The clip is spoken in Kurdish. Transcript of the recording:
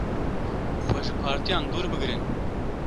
Xwe ji partiyan dûr bigirin.